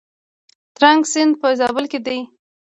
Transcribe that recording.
ترنک سیند په زابل کې دی؟